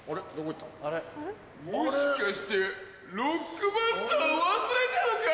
もしかしてロックバスター忘れたのか？